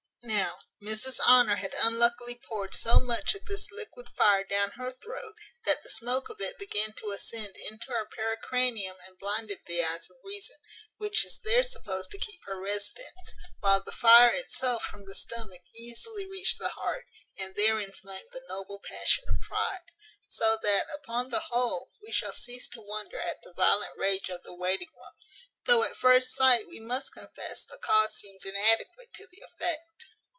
Now, Mrs Honour had unluckily poured so much of this liquid fire down her throat, that the smoke of it began to ascend into her pericranium and blinded the eyes of Reason, which is there supposed to keep her residence, while the fire itself from the stomach easily reached the heart, and there inflamed the noble passion of pride. So that, upon the whole, we shall cease to wonder at the violent rage of the waiting woman; though at first sight we must confess the cause seems inadequate to the effect.